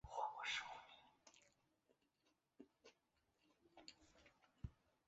比之后所提的颜料靛要来得明亮许多。